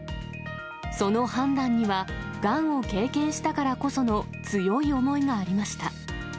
その判断には、がんを経験したからこその強い思いがありました。